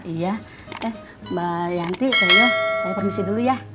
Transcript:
iya eh mbak yanti teh iyo saya permisi dulu ya